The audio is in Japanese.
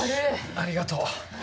ありがとう。